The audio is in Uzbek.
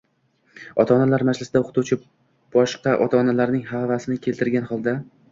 ota-onalar majlisida o‘qituvchi boshqa ota-onalarning havasini keltirgan holda